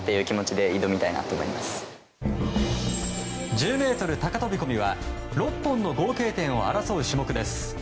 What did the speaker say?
１０ｍ高飛込は６本の合計点を争う種目です。